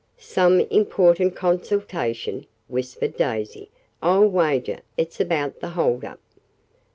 "Some important consultation," whispered Daisy. "I'll wager it's about the hold up."